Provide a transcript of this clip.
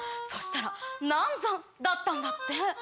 そしたら難産だったんだって。